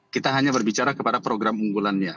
kita hanya berbicara kepada program unggulannya